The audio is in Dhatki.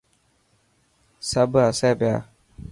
سب هي پيا.